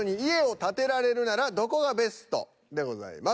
でございます。